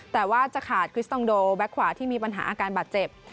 แต่ว่าจะขาดคริสตองโดแบ็คขวาที่มีปัญหาอาการบาดเจ็บ